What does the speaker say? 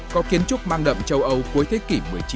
có kiến trúc mang đậm châu âu cuối thế kỷ một mươi chín